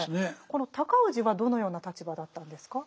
この尊氏はどのような立場だったんですか？